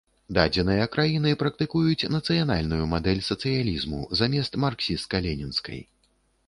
Дадзеныя краіны практыкуюць нацыянальную мадэль сацыялізму замест марксісцка-ленінскай.